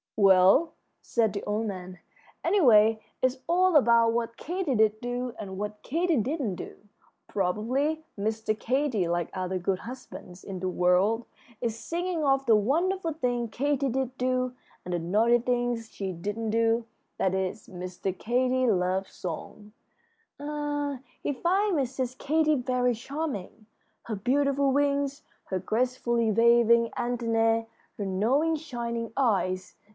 "Well," said the old man, "anyway, it's all about what Katy did do and what Katy didn't do. Probably Mr. Katy, like other good husbands in the world, is singing of the wonderful things Katy did do and the naughty things she didn't do. That is Mr. Katy's love song. Ah, he finds Mrs. Katy very charming her beautiful wings, her gracefully waving antennæ, her knowing, shining eyes!